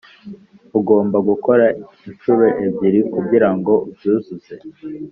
ugomba gukora inshuro ebyiri kugirango ubyuzuze. '